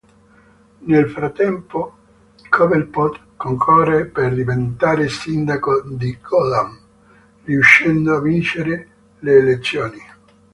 Nel frattempo Cobblepot concorre per diventare sindaco di Gotham, riuscendo a vincere le elezioni.